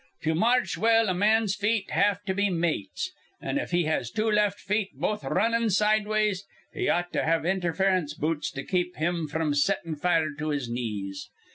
To march well, a man's feet have to be mates; an', if he has two left feet both runnin' sideways, he ought to have interference boots to keep him fr'm settin' fire to his knees.